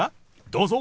どうぞ。